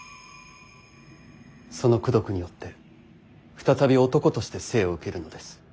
その功徳によって再び男として生を受けるのです。